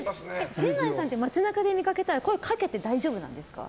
陣内さんって街中で見かけたら声をかけて大丈夫なんですか？